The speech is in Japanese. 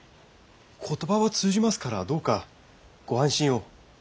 言葉は通じますからどうかご安心を。